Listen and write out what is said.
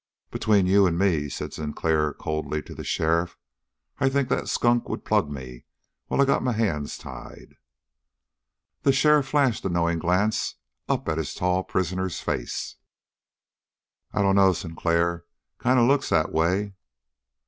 "Between you and me," said Sinclair coldly to the sheriff, "I think that skunk would plug me while I got my hands tied." The sheriff flashed a knowing glance up at his tall prisoner's face. "I dunno, Sinclair. Kind of looks that way."